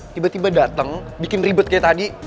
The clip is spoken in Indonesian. tiba tiba datang bikin ribet kayak tadi